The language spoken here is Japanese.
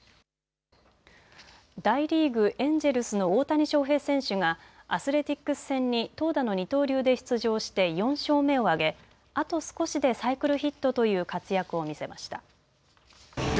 大リーグ、エンジェルスの大谷翔平選手がアスレティックス戦に投打の二刀流で出場して４勝目を挙げ、あと少しでサイクルヒットという活躍を見せました。